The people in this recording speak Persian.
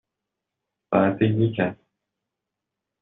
ساعت یک است.